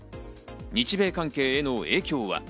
日米関係への影響は？